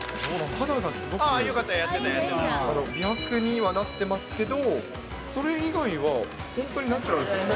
よかった、美白にはなってますけど、それ以外は本当にナチュラルですね。